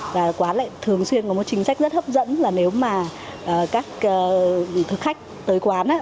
và quán lại thường xuyên có một chính sách rất hấp dẫn là nếu mà các thực khách tới quán